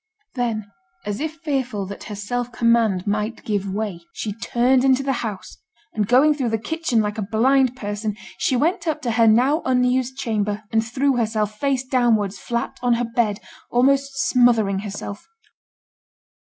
Then, as if fearful that her self command might give way, she turned into the house; and going through the kitchen like a blind person, she went up to her now unused chamber, and threw herself, face downwards, flat on her bed, almost smothering herself.